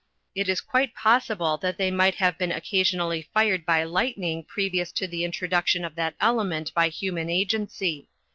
It is quite possible that they might have been occassionlly fired by lightning pre vious to the introduction of that element by human agency.